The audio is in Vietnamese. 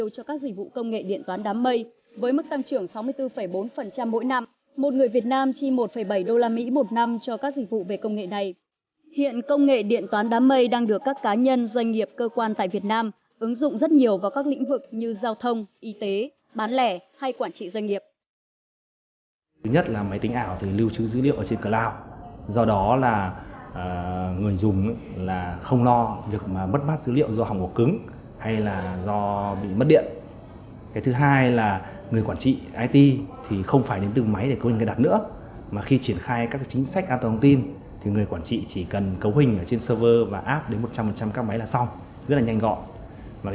thứ tư đối với người dùng cuối do máy tính ảo lưu trữ dữ liệu trên cloud do đó không nhất thiết phải ngồi văn phòng làm việc mà có thể truy cập ở mọi lúc mọi nơi phù trong nhu cầu làm việc của mình